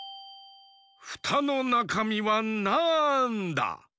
フタのなかみはなんだ？